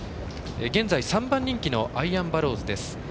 現在３番人気のアイアンバローズです。